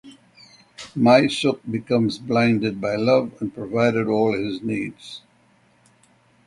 Mi Sook becomes blinded by love and provided all his needs.